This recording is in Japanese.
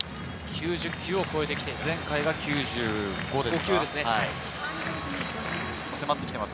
９０球を超えてきています。